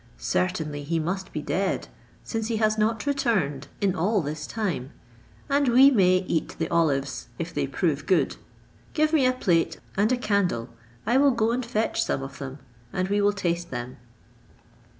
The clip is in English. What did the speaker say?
Certainly he must be dead, since he has not returned in all this time; and we may eat the olives, if they prove good. Give me a plate and a candle, I will go and fetch some of them, and we will taste them."